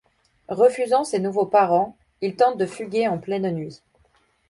Refusant ses nouveaux parents, il tente de fuguer en pleine nuit.